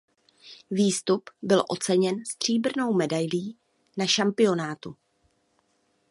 Výstup byl oceněn stříbrnou medailí na šampionátu.